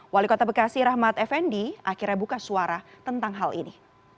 wali kota bekasi rahmat effendi akhirnya buka suara tentang hal ini